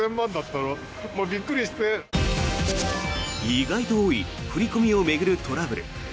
意外と多い振り込みを巡るトラブル。